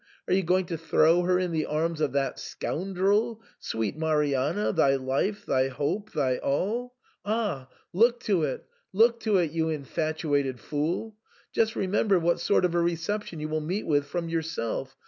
Are you going to throw her in the arms of that scoundrel, — sweet Marianna, thy life, thy hope, thy all ? Ah ! look to it ! Look to it ! you infatuated fool. Just remem ber what sort of a reception you will meet with from yourself.